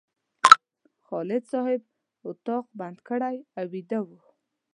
خالد صاحب اتاق بند کړی او ویده و.